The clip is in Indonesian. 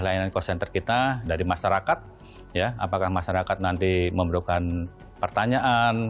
layanan call center kita dari masyarakat ya apakah masyarakat nanti memberikan pertanyaan